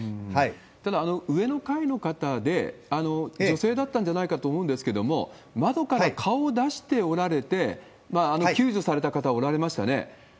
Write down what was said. ただ、上の階の方で、女性だったんじゃないかと思うんですけど、窓から顔を出しておられて、救助された方、おられましたね。